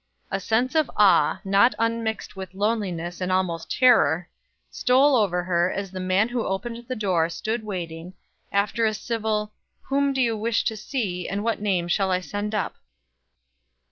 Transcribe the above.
A sense of awe, not unmixed with loneliness and almost terror, stole over her as the man who opened the door stood waiting, after a civil "Whom do you wish to see, and what name shall I send up?"